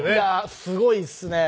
すごいっすね！